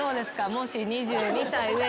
もし２２歳上。